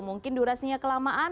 mungkin durasinya kelamaan